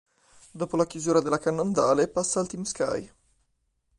Dopo la chiusura della Cannondale, passa al Team Sky.